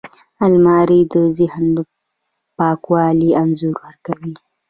الماري د ذهن پاکوالي انځور ورکوي